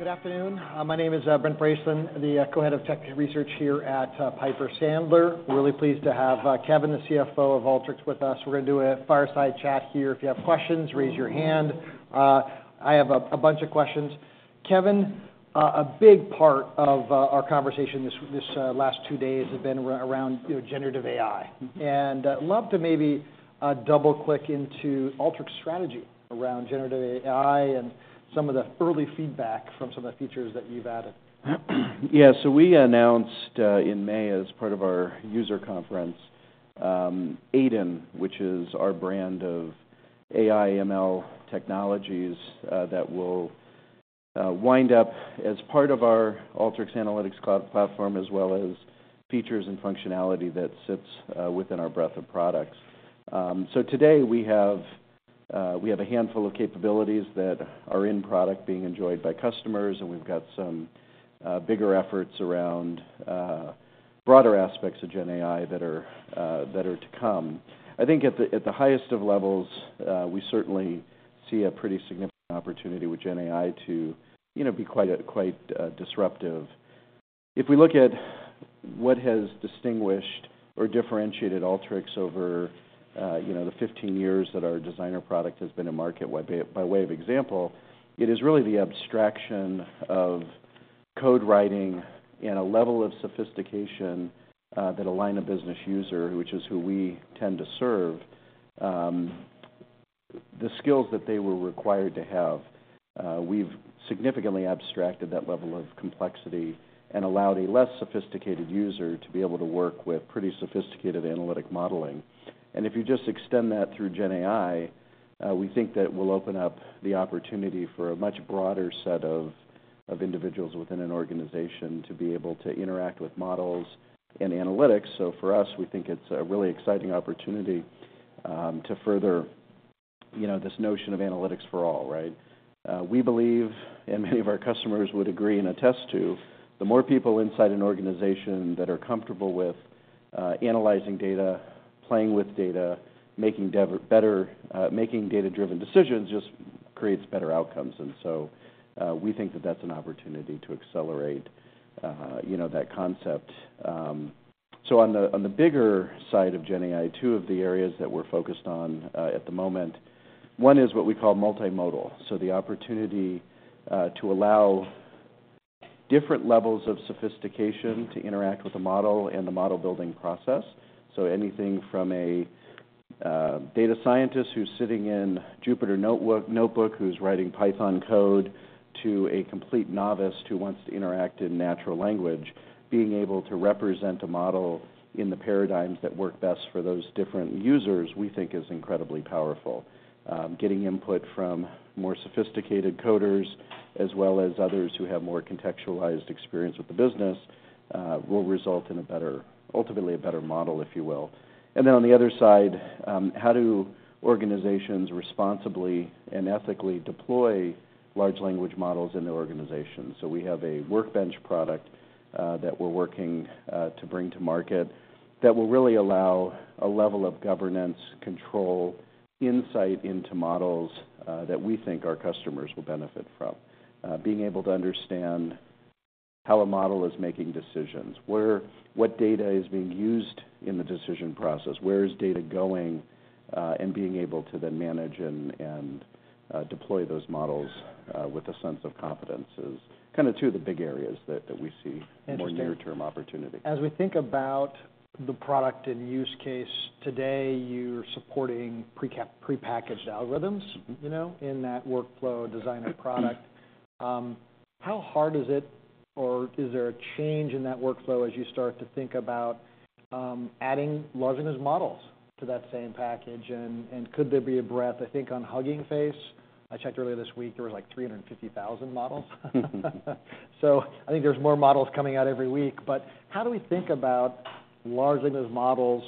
Good afternoon. My name is Brent Bracelin, the co-head of Technology Research here at Piper Sandler. Really pleased to have Kevin, the CFO of Alteryx, with us. We're gonna do a fireside chat here. If you have questions, raise your hand. I have a bunch of questions. Kevin, a big part of our conversation this last two days have been around, you know, generative AI. I'd love to maybe double-click into Alteryx strategy around generative AI and some of the early feedback from some of the features that you've added. Yeah, so we announced in May, as part of our user conference, AiDIN, which is our brand of AI ML technologies, that will wind up as part of our Alteryx Analytics Cloud platform, as well as features and functionality that sits within our breadth of products. So today, we have a handful of capabilities that are in product being enjoyed by customers, and we've got some bigger efforts around broader aspects of Gen AI that are to come. I think at the highest of levels, we certainly see a pretty significant opportunity with Gen AI to, you know, be quite disruptive. If we look at what has distinguished or differentiated Alteryx over, you know, the 15 years that our Designer product has been in market, by way of example, it is really the abstraction of code writing and a level of sophistication, that a line of business user, which is who we tend to serve, the skills that they were required to have, we've significantly abstracted that level of complexity and allowed a less sophisticated user to be able to work with pretty sophisticated analytic modeling. And if you just extend that through Gen AI, we think that will open up the opportunity for a much broader set of individuals within an organization to be able to interact with models and analytics. So for us, we think it's a really exciting opportunity to further, you know, this notion of analytics for all, right? We believe, and many of our customers would agree and attest to, the more people inside an organization that are comfortable with analyzing data, playing with data, making data-driven decisions, just creates better outcomes. And so, we think that that's an opportunity to accelerate, you know, that concept. So on the bigger side of Gen AI, two of the areas that we're focused on at the moment, one is what we call multimodal. So the opportunity to allow different levels of sophistication to interact with the model and the model-building process. So anything from a data scientist who's sitting in Jupyter Notebook, who's writing Python code, to a complete novice who wants to interact in natural language. Being able to represent a model in the paradigms that work best for those different users, we think is incredibly powerful. Getting input from more sophisticated coders, as well as others who have more contextualized experience with the business, will result in a better, ultimately, a better model, if you will. And then on the other side, how do organizations responsibly and ethically deploy large language models in their organization? So we have a workbench product that we're working to bring to market, that will really allow a level of governance, control, insight into models that we think our customers will benefit from. Being able to understand how a model is making decisions, where... What data is being used in the decision process? Where is data going? And being able to then manage and deploy those models with a sense of confidence is kinda two of the big areas that we see- Interesting - more near-term opportunity. As we think about the product and use case, today, you're supporting prepackaged algorithms, you know, in that Workflow Designer product. How hard is it, or is there a change in that workflow as you start to think about adding large language models to that same package? And could there be a breadth, I think, on Hugging Face? I checked earlier this week, there was, like, 350,000 models. So I think there's more models coming out every week. But how do we think about large language models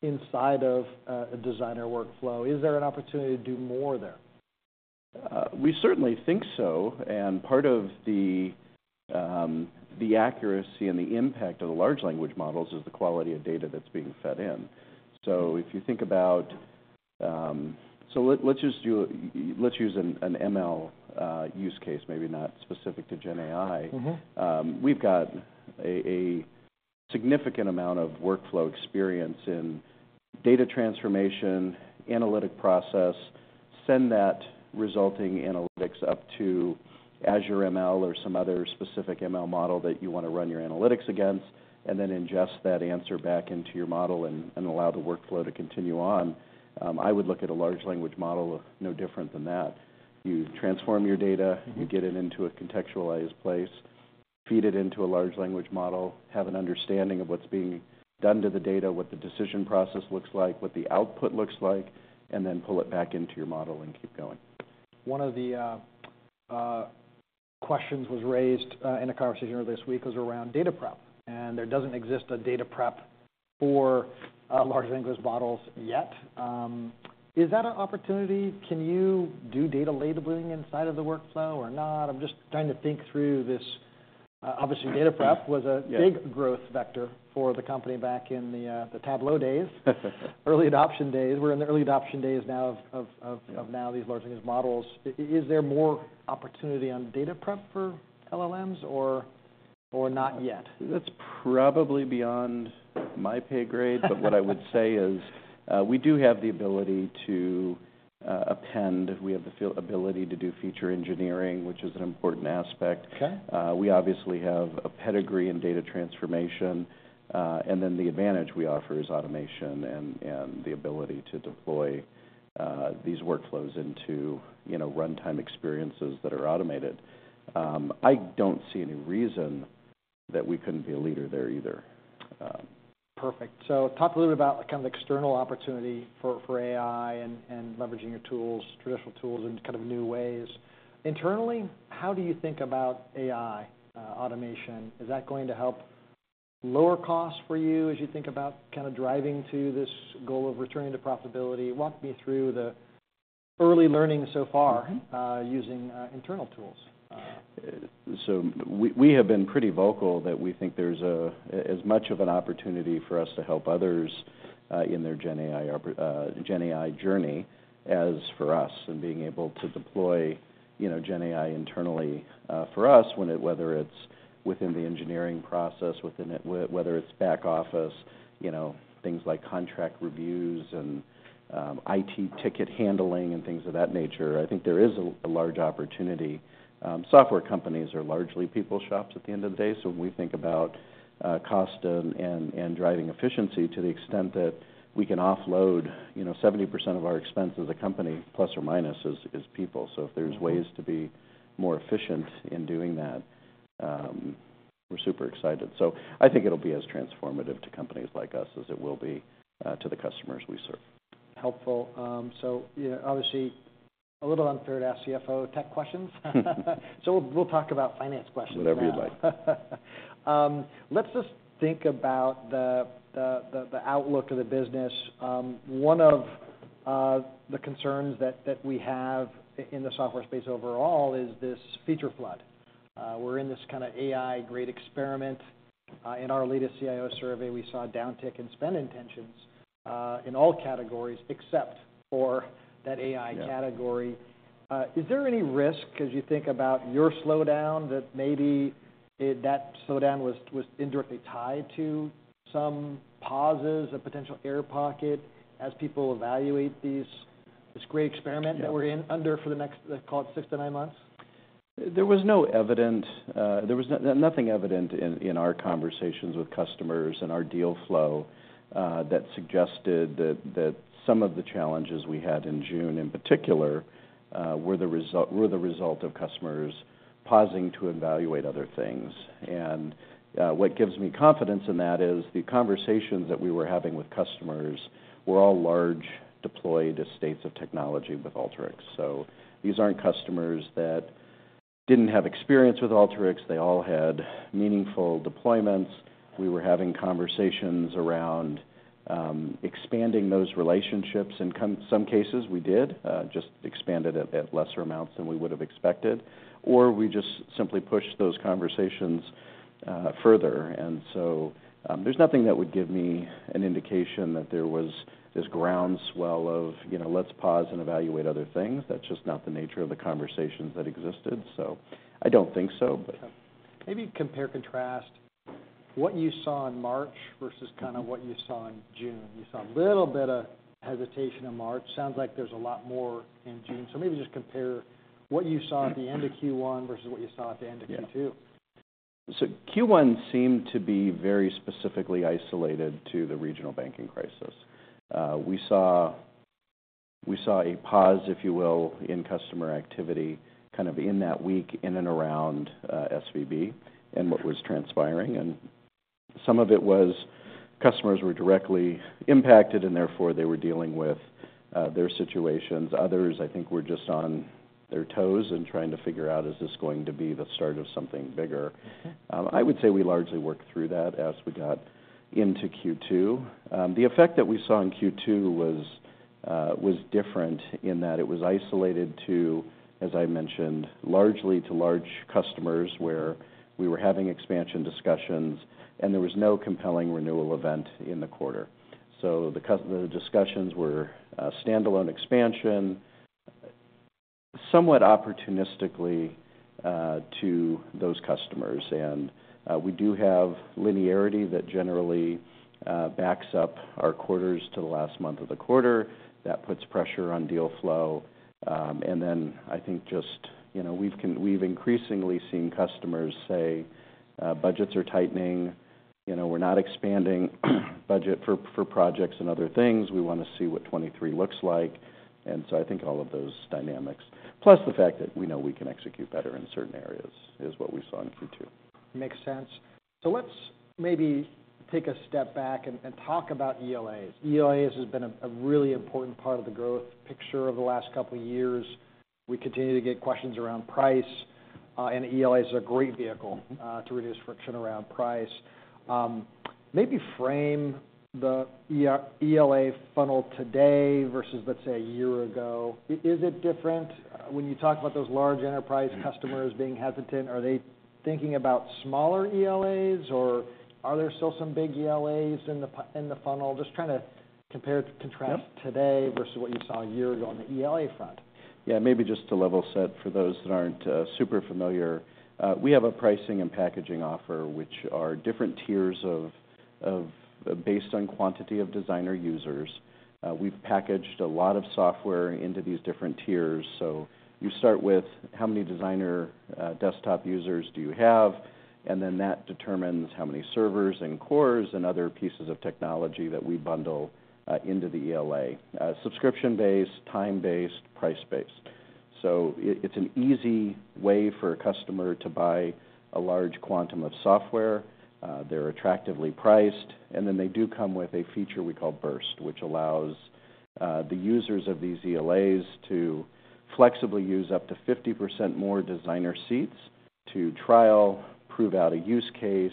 inside of a Designer workflow? Is there an opportunity to do more there? We certainly think so, and part of the accuracy and the impact of the large language models is the quality of data that's being fed in. So if you think about... So let's just do—let's use an ML use case, maybe not specific to Gen AI. We've got a significant amount of workflow experience in data transformation, analytic process, send that resulting analytics up to Azure ML or some other specific ML model that you want to run your analytics against, and then ingest that answer back into your model and allow the workflow to continue on. I would look at a large language model no different than that. You transform your data ...you get it into a contextualized place, feed it into a large language model, have an understanding of what's being done to the data, what the decision process looks like, what the output looks like, and then pull it back into your model and keep going. One of the questions was raised in a conversation earlier this week was around data prep, and there doesn't exist a data prep for large language models yet. Is that an opportunity? Can you do data labeling inside of the workflow or not? I'm just trying to think through this, obviously, data prep was a- Yeah... big growth vector for the company back in the, uh, the Tableau days. Early adoption days. We're in the early adoption days now of now these large language models. Is there more opportunity on data prep for LLMs, or not yet? That's probably beyond my pay grade. But what I would say is, we do have the ability to append. We have the ability to do feature engineering, which is an important aspect. Okay. We obviously have a pedigree in data transformation, and then the advantage we offer is automation and the ability to deploy these workflows into, you know, runtime experiences that are automated. I don't see any reason that we couldn't be a leader there either. Perfect. So talk a little bit about the kind of external opportunity for, for AI and, and leveraging your tools, traditional tools, in kind of new ways. Internally, how do you think about AI, automation? Is that going to help lower costs for you as you think about kind of driving to this goal of returning to profitability? Walk me through the early learnings so far.... using internal tools. So we have been pretty vocal that we think there's as much of an opportunity for us to help others in their GenAI journey as for us, and being able to deploy, you know, GenAI internally for us, whether it's within the engineering process, whether it's back office, you know, things like contract reviews and IT ticket handling and things of that nature. I think there is a large opportunity. Software companies are largely people shops at the end of the day, so when we think about cost and driving efficiency to the extent that we can offload... You know, 70% of our expense as a company, plus or minus, is people. So if there's ways to be more efficient in doing that, we're super excited. So I think it'll be as transformative to companies like us as it will be, to the customers we serve. Helpful. So, you know, obviously, a little unfair to ask CFO tech questions. So we'll talk about finance questions now. Whatever you'd like. Let's just think about the outlook of the business. One of the concerns that we have in the software space overall is this feature flood. We're in this kind of AI great experiment. In our latest CIO survey, we saw a downtick in spend intentions in all categories except for that AI category. Yeah. Is there any risk, as you think about your slowdown, that maybe it... that slowdown was indirectly tied to some pauses, a potential air pocket, as people evaluate these, this great experiment?... that we're in, under for the next, let's call it, 6-9 months? There was nothing evident in our conversations with customers and our deal flow that suggested that some of the challenges we had in June, in particular, were the result of customers pausing to evaluate other things. And what gives me confidence in that is the conversations that we were having with customers were all large, deployed estates of technology with Alteryx. So these aren't customers that didn't have experience with Alteryx. They all had meaningful deployments. We were having conversations around expanding those relationships. In some cases, we did just expanded it at lesser amounts than we would've expected, or we just simply pushed those conversations further. And so, there's nothing that would give me an indication that there was this groundswell of, you know, "Let's pause and evaluate other things." That's just not the nature of the conversations that existed, so I don't think so, but- Okay. Maybe compare and contrast what you saw in March versus-... kind of what you saw in June. You saw a little bit of hesitation in March. Sounds like there's a lot more in June. So maybe just compare what you saw at the end of Q1 versus what you saw at the end of Q2. Yeah. So Q1 seemed to be very specifically isolated to the regional banking crisis. We saw a pause, if you will, in customer activity, kind of in that week, in and around SVB and what was transpiring. And some of it was customers were directly impacted, and therefore, they were dealing with their situations. Others, I think, were just on their toes and trying to figure out, "Is this going to be the start of something bigger? I would say we largely worked through that as we got into Q2. The effect that we saw in Q2 was different in that it was isolated to, as I mentioned, largely to large customers, where we were having expansion discussions, and there was no compelling renewal event in the quarter. So the discussions were standalone expansion, somewhat opportunistically to those customers. And we do have linearity that generally backs up our quarters to the last month of the quarter. That puts pressure on deal flow. And then, I think just, you know, we've increasingly seen customers say, "Budgets are tightening. You know, we're not expanding budget for projects and other things. We wanna see what 2023 looks like." And so I think all of those dynamics, plus the fact that we know we can execute better in certain areas, is what we saw in Q2. Makes sense. So let's maybe take a step back and talk about ELAs. ELAs has been a really important part of the growth picture over the last couple of years. We continue to get questions around price... and ELA is a great vehicle to reduce friction around price. Maybe frame the ELA funnel today versus, let's say, a year ago. Is it different? When you talk about those large enterprise customers being hesitant, are they thinking about smaller ELAs, or are there still some big ELAs in the funnel? Just trying to compare, contrast- Yep today versus what you saw a year ago on the ELA front. Yeah, maybe just to level set for those that aren't super familiar. We have a pricing and packaging offer, which are different tiers based on quantity of Designer users. We've packaged a lot of software into these different tiers. So you start with how many Designer desktop users do you have, and then that determines how many servers, and cores, and other pieces of technology that we bundle into the ELA. Subscription-based, time-based, price-based. So it, it's an easy way for a customer to buy a large quantum of software. They're attractively priced, and then they do come with a feature we call Burst, which allows the users of these ELAs to flexibly use up to 50% more Designer seats to trial, prove out a use case,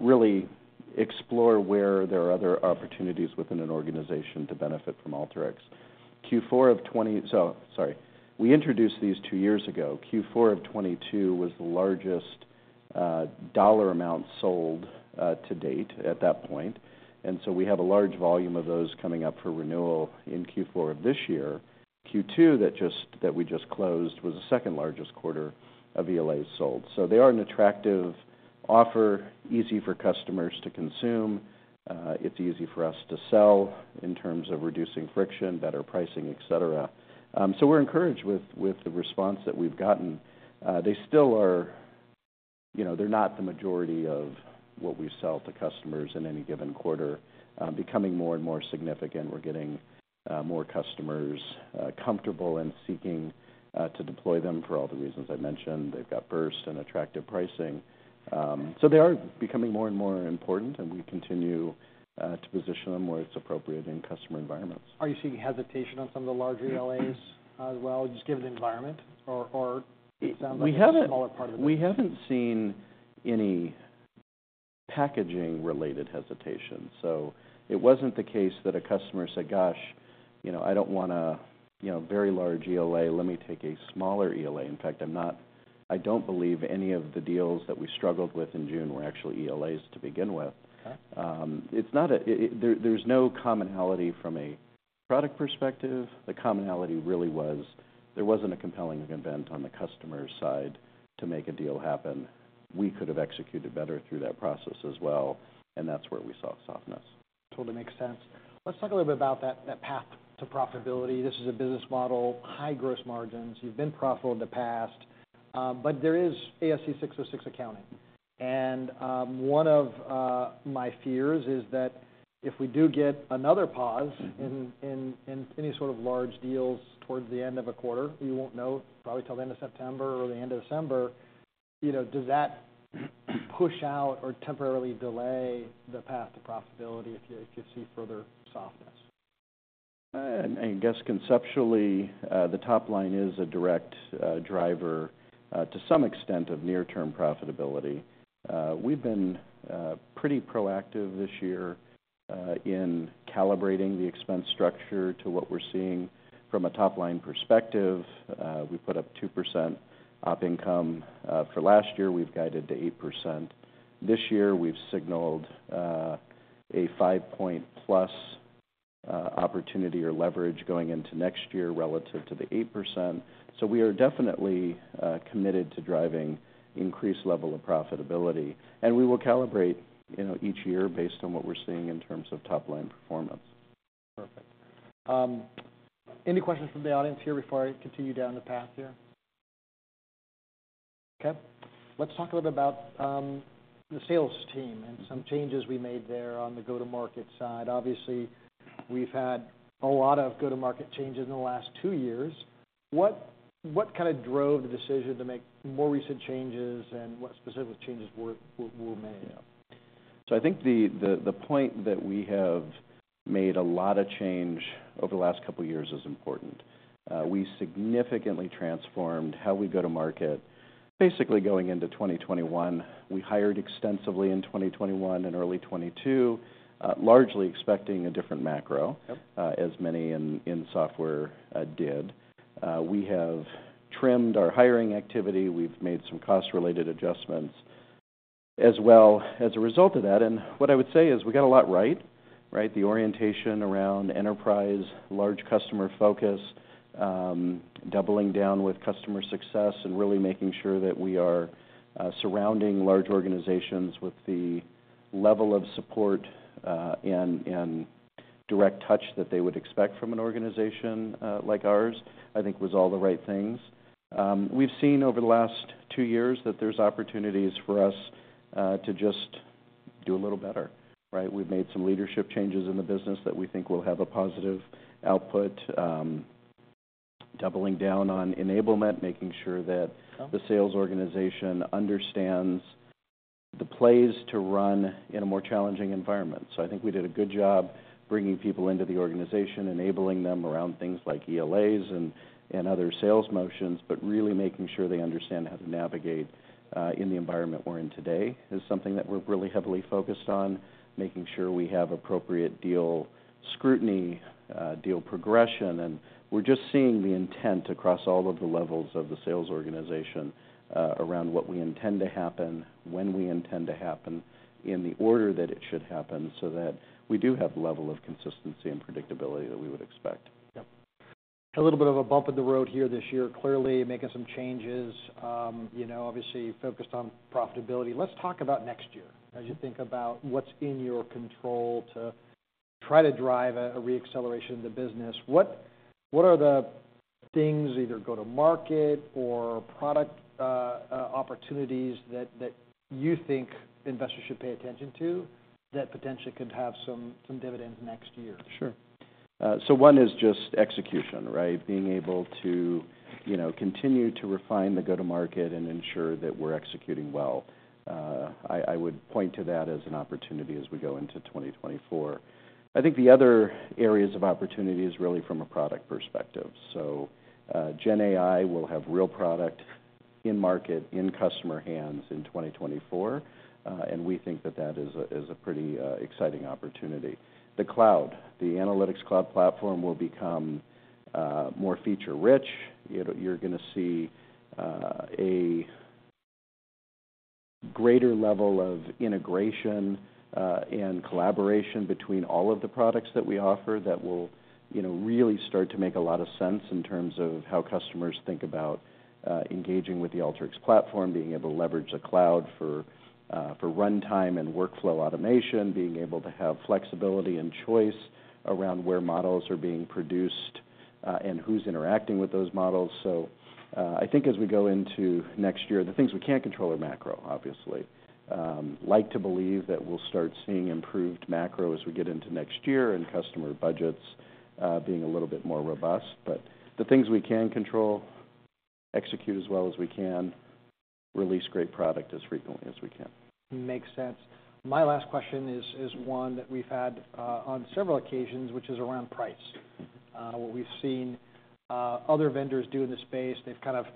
really explore where there are other opportunities within an organization to benefit from Alteryx. So sorry. We introduced these two years ago. Q4 of 2022 was the largest dollar amount sold to date at that point, and so we have a large volume of those coming up for renewal in Q4 of this year. Q2 that we just closed was the second-largest quarter of ELAs sold. So they are an attractive offer, easy for customers to consume. It's easy for us to sell in terms of reducing friction, better pricing, et cetera. So we're encouraged with the response that we've gotten. They still are, you know, they're not the majority of what we sell to customers in any given quarter, becoming more and more significant. We're getting more customers comfortable in seeking to deploy them for all the reasons I mentioned. They've got Burst and attractive pricing. So they are becoming more and more important, and we continue to position them where it's appropriate in customer environments. Are you seeing hesitation on some of the larger ELAs as well, just given the environment, or, or it sounds like it's a smaller part of it? We haven't seen any packaging-related hesitation, so it wasn't the case that a customer said, "Gosh, you know, I don't want a, you know, very large ELA. Let me take a smaller ELA." In fact, I don't believe any of the deals that we struggled with in June were actually ELAs to begin with. Okay. It's not. There's no commonality from a product perspective. The commonality really was, there wasn't a compelling event on the customer's side to make a deal happen. We could have executed better through that process as well, and that's where we saw softness. Totally makes sense. Let's talk a little bit about that, that path to profitability. This is a business model, high gross margins. You've been profitable in the past, but there is ASC 606 accounting, and, one of my fears is that if we do get another pause... in any sort of large deals towards the end of a quarter, we won't know probably till the end of September or the end of December, you know, does that push out or temporarily delay the path to profitability if you, if you see further softness? I guess conceptually, the top line is a direct driver, to some extent, of near-term profitability. We've been pretty proactive this year in calibrating the expense structure to what we're seeing from a top-line perspective. We put up 2% op income for last year. We've guided to 8%. This year, we've signaled a 5-point + opportunity or leverage going into next year relative to the 8%. So we are definitely committed to driving increased level of profitability, and we will calibrate, you know, each year based on what we're seeing in terms of top-line performance. Perfect. Any questions from the audience here before I continue down the path here? Okay. Let's talk a little bit about the sales team... and some changes we made there on the go-to-market side. Obviously, we've had a lot of go-to-market changes in the last two years. What kind of drove the decision to make more recent changes, and what specific changes were made? Yeah. So I think the point that we have made a lot of change over the last couple of years is important. We significantly transformed how we go to market, basically going into 2021. We hired extensively in 2021 and early 2022, largely expecting a different macro-... as many in software did. We have trimmed our hiring activity. We've made some cost-related adjustments as well as a result of that. What I would say is, we got a lot right. Right, the orientation around enterprise, large customer focus, doubling down with customer success and really making sure that we are surrounding large organizations with the level of support and direct touch that they would expect from an organization like ours, I think was all the right things. We've seen over the last 2 years that there's opportunities for us to just do a little better, right? We've made some leadership changes in the business that we think will have a positive output. Doubling down on enablement, making sure that-... the sales organization understands... the plays to run in a more challenging environment. So I think we did a good job bringing people into the organization, enabling them around things like ELAs and other sales motions, but really making sure they understand how to navigate in the environment we're in today, is something that we're really heavily focused on. Making sure we have appropriate deal scrutiny, deal progression. And we're just seeing the intent across all of the levels of the sales organization, around what we intend to happen, when we intend to happen, in the order that it should happen, so that we do have the level of consistency and predictability that we would expect. Yep. A little bit of a bump in the road here this year. Clearly making some changes, you know, obviously focused on profitability. Let's talk about next year. As you think about what's in your control to try to drive a re-acceleration of the business, what are the things, either go-to-market or product, opportunities, that you think investors should pay attention to, that potentially could have some dividends next year? Sure. So one is just execution, right? Being able to, you know, continue to refine the go-to-market and ensure that we're executing well. I would point to that as an opportunity as we go into 2024. I think the other areas of opportunity is really from a product perspective. So, GenAI will have real product in market, in customer hands in 2024, and we think that that is a pretty exciting opportunity. The cloud, the Analytics Cloud platform, will become more feature-rich. You know, you're gonna see a greater level of integration and collaboration between all of the products that we offer that will, you know, really start to make a lot of sense in terms of how customers think about engaging with the Alteryx platform. Being able to leverage the cloud for runtime and workflow automation, being able to have flexibility and choice around where models are being produced, and who's interacting with those models. So, I think as we go into next year, the things we can't control are macro, obviously. Like to believe that we'll start seeing improved macro as we get into next year, and customer budgets being a little bit more robust. But the things we can control, execute as well as we can, release great product as frequently as we can. Makes sense. My last question is one that we've had on several occasions, which is around price. What we've seen, other vendors do in the space, they've kind of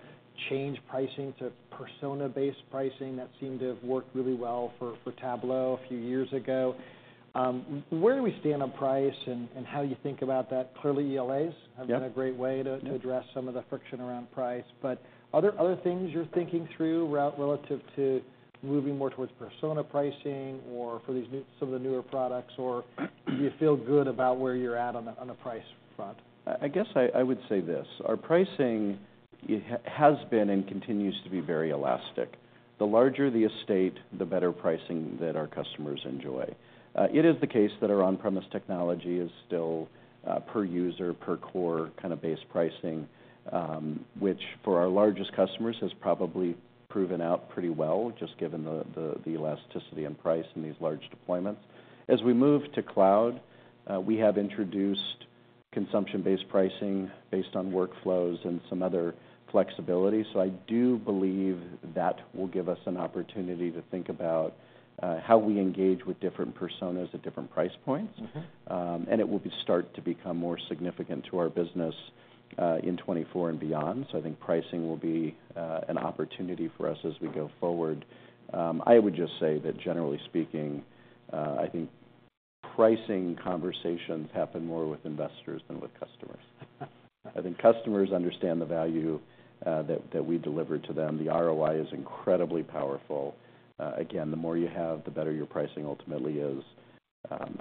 changed pricing to persona-based pricing. That seemed to have worked really well for Tableau a few years ago. Where do we stand on price and how you think about that? Clearly, ELAs-... have been a great way to-... to address some of the friction around price. But are there other things you're thinking through, relative to moving more towards persona pricing, or for these new, some of the newer products, or do you feel good about where you're at on the, on the price front? I guess I would say this: Our pricing has been, and continues to be, very elastic. The larger the estate, the better pricing that our customers enjoy. It is the case that our on-premise technology is still per user, per core, kind of base pricing, which, for our largest customers, has probably proven out pretty well, just given the elasticity and price in these large deployments. As we move to cloud, we have introduced consumption-based pricing based on workflows and some other flexibility. So I do believe that will give us an opportunity to think about how we engage with different personas at different price point And it will start to become more significant to our business in 2024 and beyond. So I think pricing will be an opportunity for us as we go forward. I would just say that, generally speaking, I think pricing conversations happen more with investors than with customers. I think customers understand the value that we deliver to them. The ROI is incredibly powerful. Again, the more you have, the better your pricing ultimately is.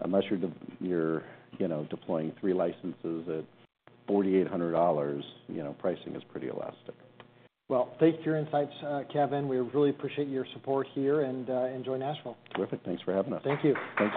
Unless you're deploying 3 licenses at $4,800, you know, pricing is pretty elastic. Well, thank you for your insights, Kevin. We really appreciate your support here, and enjoy Nashville. Terrific. Thanks for having us. Thank you.